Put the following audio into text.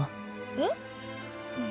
えっ？